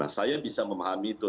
nah saya bisa memahami itu